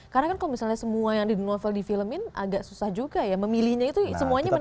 karena kan kalau misalnya semua yang di novel di filmin agak susah juga ya memilihnya itu semuanya menarik